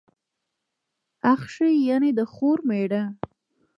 اخښی، يعني د خور مېړه.